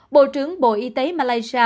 bộ trưởng bộ y tế malaysia